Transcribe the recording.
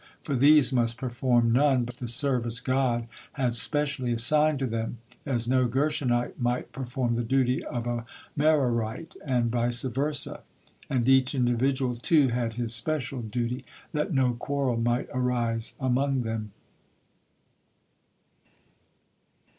For these must perform none but the service God had specially assigned to them, as no Gershonite might perform the duty of a Merarite, and vice versa, and each individual, too, had his special duty, that no quarrel might arise among them.